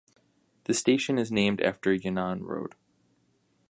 The station is named after Yan'an Road.